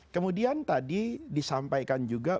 kemudian tadi disampaikan juga